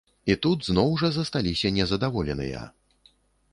І тут зноў жа засталіся незадаволеныя.